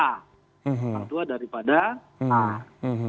yang kedua daripada ah